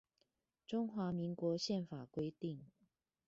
中華民國憲法規定